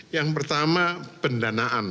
yang pertama pendanaan